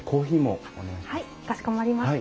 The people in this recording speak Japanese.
はいかしこまりました。